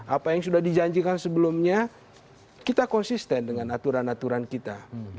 apa yang sudah dijanjikan sebelumnya kita konsisten dengan aturan aturan kita